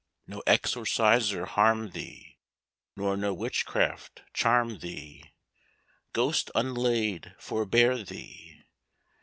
"No exorciser harm thee! Nor no witchcraft charm thee Ghost unlaid forbear thee!